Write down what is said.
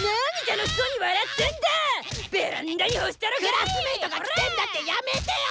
クラスメートが来てんだってやめてよ！